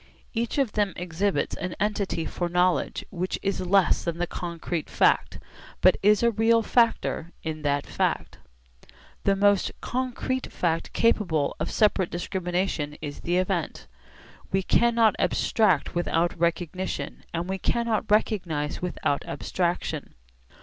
Each of them exhibits an entity for knowledge which is less than the concrete fact, but is a real factor in that fact. The most concrete fact capable of separate discrimination is the event. We cannot abstract without recognition, and we cannot recognise without abstraction.